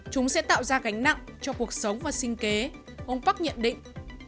chúng sẽ tạo ra gánh nặng cho cuộc sống và sinh kế ông park nhận định